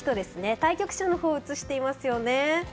対局者のほうを写してますよね。